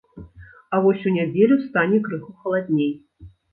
А вось у нядзелю стане крыху халадней.